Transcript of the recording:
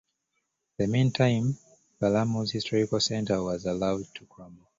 In the meantime Palermo's historical centre was allowed to crumble.